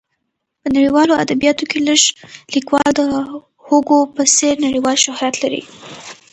په نړیوالو ادبیاتو کې لږ لیکوال د هوګو په څېر نړیوال شهرت لري.